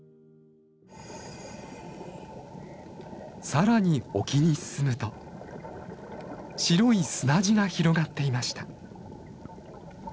更に沖に進むと白い砂地が広がっていました。